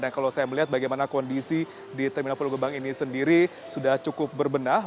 dan kalau saya melihat bagaimana kondisi di terminal pulau gebang ini sendiri sudah cukup berbenah